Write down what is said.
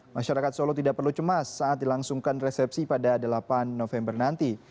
masyarakat solo tidak perlu cemas saat dilangsungkan resepsi pada delapan november nanti